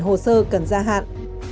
hồ sơ cần gia hạn